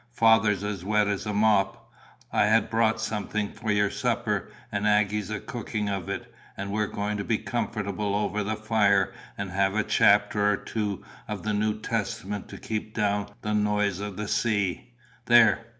Father's as wet as a mop. I ha' brought something for your supper, and Aggy's a cookin' of it; and we're going to be comfortable over the fire, and have a chapter or two of the New Testament to keep down the noise of the sea. There!